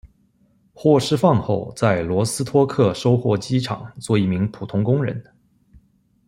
获释放后在罗斯托克收获机厂做一名普通工人。